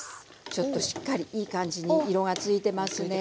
ちょっとしっかりいい感じに色がついてますね。